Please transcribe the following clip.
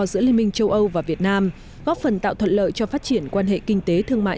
giữa liên minh châu âu và việt nam góp phần tạo thuận lợi cho phát triển quan hệ kinh tế thương mại